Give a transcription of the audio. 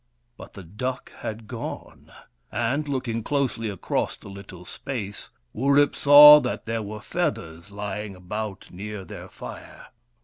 But the duck had gone, and, looking closely across the little space, Wurip saw that there were feathers lying about near their fire.